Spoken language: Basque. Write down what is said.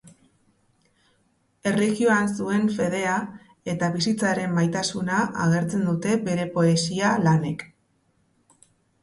Erlijioan zuen fedea eta bizitzaren maitasuna agertzen dute bere poesia-lanek.